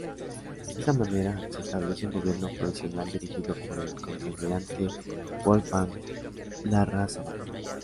De esa manera se establece un gobierno provisional dirigido por el contralmirante Wolfgang Larrazábal.